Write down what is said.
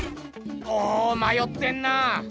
おおまよってんな。